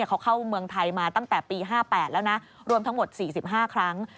เขาเข้าเมืองไทยมาตั้งแต่ปี๕๘แล้วนะรวมทั้งหมด๔๕ครั้ง